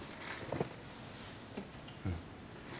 うん。